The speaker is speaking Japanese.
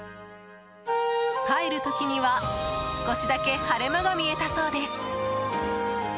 帰る時には少しだけ晴れ間が見えたそうです。